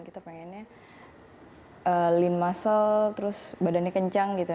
kita pengennya lean muscle terus badannya kencang gitu